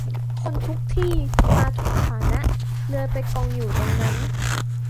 คนทุกที่มาทุกฐานะเลยไปกองอยู่ตรงนั้น